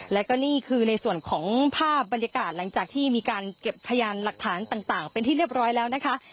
และก็นี่คือในส่วนของภาพบรรยากาศหลังจากที่มีการเก็บพยานหลักฐานต่างเป็นที่เรียบร้อยแล้วนะคะ